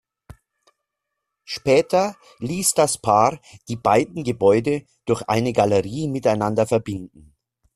Später ließ das Paar die beiden Gebäude durch eine Galerie miteinander verbinden.